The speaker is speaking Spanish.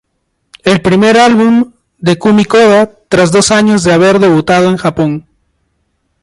El primer álbum de Kumi Koda tras dos años de haber debutado en Japón.